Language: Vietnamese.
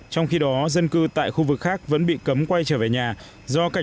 trong khi đó dân cư tại khu vực khác vẫn bị cấm quay trở về nhà